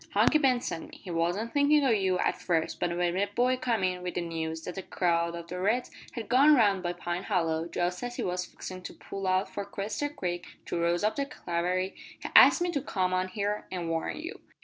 "Hunky Ben sent me. He wasn't thinkin' o' you at first but when a boy came in wi' the news that a crowd o' the reds had gone round by Pine Hollow just as he was fixin' to pull out for Quester Creek to rouse up the cavalry he asked me to come on here an' warn you."